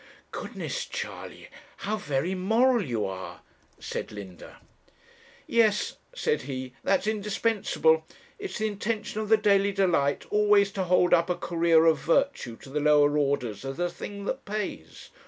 'Goodness, Charley how very moral you are!' said Linda. 'Yes,' said he; 'that's indispensable. It's the intention of the Daily Delight always to hold up a career of virtue to the lower orders as the thing that pays.